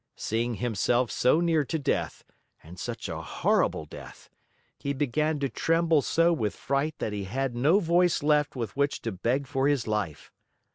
Seeing himself so near to death (and such a horrible death!) he began to tremble so with fright that he had no voice left with which to beg for his life.